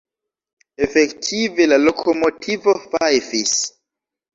Efektive la lokomotivo fajfis.